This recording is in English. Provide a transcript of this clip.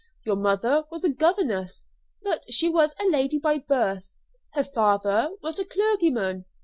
Your mother was a governess, but she was a lady by birth; her father was a clergyman.